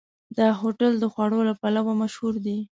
دا هوټل د خوړو له پلوه مشهور دی.